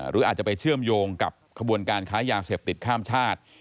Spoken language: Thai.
หรืออาจจะไปเชื่อมโยงกับขบวนการค้ายาเสพติดข้ามชาติ